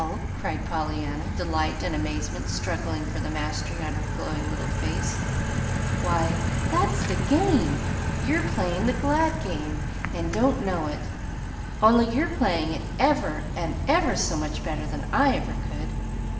cried Pollyanna, delight and amazement struggling for the mastery on her glowing little face. "Why, that's the game! You're playing the glad game, and don't know it only you're playing it ever and ever so much better than I ever could!